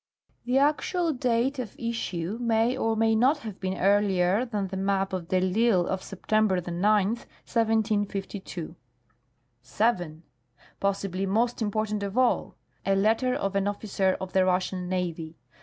The actual date of issue may or may not have been earlier than the map of de I'Isle of September 9, 1752. 7. (Possibly most important of all) a letter of an officer of the Russian Navy.